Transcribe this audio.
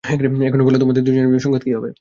এখন বলো, তোমাদের দুজনের বিজয় সংকেত কী হবে?